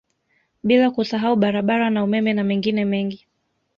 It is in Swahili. Bila kusahau barabara na umeme na mengine mengi